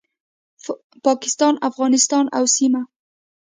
پاکستان، افغانستان او سیمه